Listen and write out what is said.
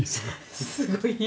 すごい。